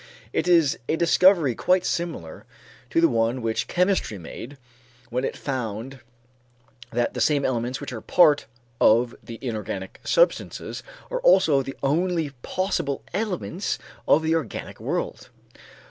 It is a discovery quite similar to the one which chemistry made when it found that the same elements which are part of the inorganic substances are also the only possible elements of the organic world.